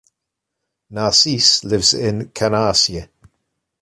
Narcisse lives in Canarsie.